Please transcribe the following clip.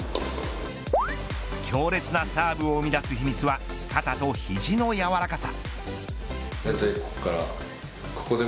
強烈なサーブを生み出す秘密は肩と肘のやわらかさ。